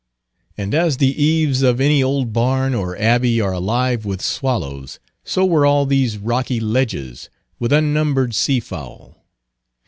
And as the eaves of any old barn or abbey are alive with swallows, so were all these rocky ledges with unnumbered sea fowl.